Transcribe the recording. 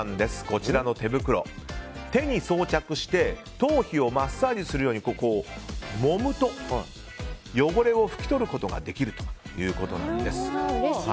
こちらの手袋、手に装着して頭皮をマッサージするようにもむと汚れを拭き取ることができるということなんです。